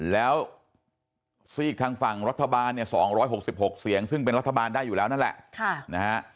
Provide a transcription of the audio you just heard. แล้วซีกทางฝั่งรัฐบาลเนี่ย๒๖๖เสียงซึ่งเป็นรัฐบาลได้อยู่แล้วนั่นแหละนะฮะ